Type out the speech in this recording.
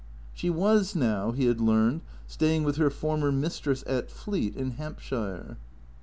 She was now, he had learned, staying with her former mistress at Fleet, in Hampshire.